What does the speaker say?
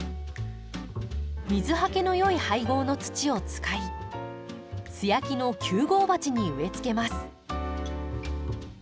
水はけの良い配合の土を使い素焼きの９号鉢に植えつけます。